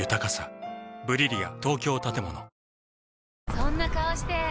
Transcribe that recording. そんな顔して！